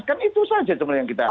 kan itu saja cuma yang kita